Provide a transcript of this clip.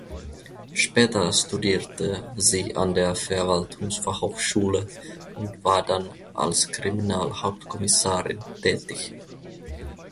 Später studierte sie an der Verwaltungsfachhochschule und war dann als Kriminalhauptkommissarin tätig.